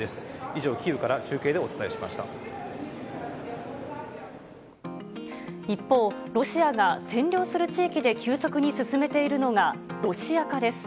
以上、キーウから中継でお伝一方、ロシアが占領する地域で急速に進めているのが、ロシア化です。